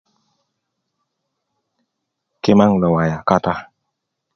kimaŋ lo waya kata